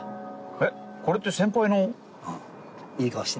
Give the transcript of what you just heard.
えっこれって先輩の？